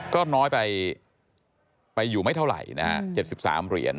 ก็น้อยไปอยู่ไม่เท่าไหร่นะฮะ๗๓เหรียญ